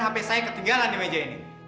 sampai saya ketinggalan di meja ini